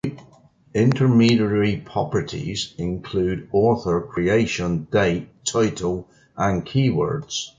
Intermedia properties include author, creation date, title, and keywords.